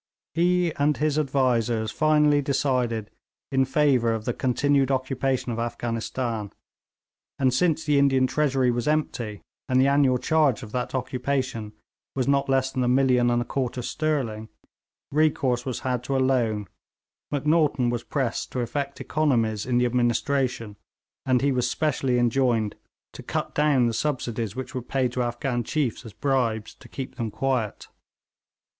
He and his advisers finally decided in favour of the continued occupation of Afghanistan; and since the Indian treasury was empty, and the annual charge of that occupation was not less than a million and a quarter sterling, recourse was had to a loan, Macnaghten was pressed to effect economies in the administration, and he was specially enjoined to cut down the subsidies which were paid to Afghan chiefs as bribes to keep them quiet.